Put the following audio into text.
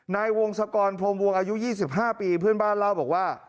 นายวงศกรพรมวงอายุ๒๕ปีเพื่อนบ้านเล่าบอกว่า